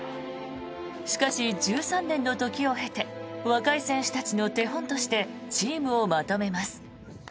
しかし、１３年の時を経て若い選手たちの手本としてチームをまとめます。